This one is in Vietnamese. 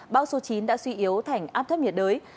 bão số chín đã suy yếu thành áp thấp nhiệt đới